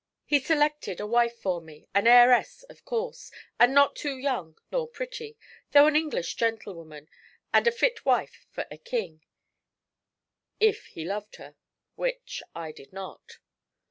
He selected a wife for me, an heiress, of course, and not too young nor pretty, though an English gentlewoman, and a fit wife for a king, if he loved her, which I did not.